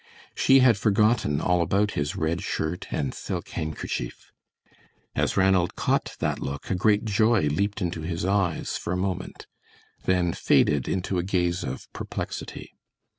She had forgotten all about his red shirt and silk handkerchief. As Ranald caught that look a great joy leaped into his eyes for a moment, then faded into a gaze of perplexity.